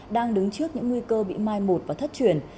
đang đứng trước những nguy cơ bị mai một và thất truyền